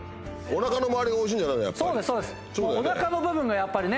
お腹の周りがおいしいんじゃないのやっぱ。